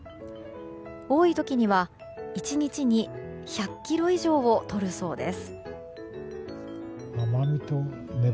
多い時には１日に１００ｋｇ以上をとるそうです。